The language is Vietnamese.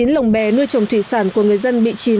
chín mươi chín lồng bè nuôi trồng thủy sản của người dân bị chìm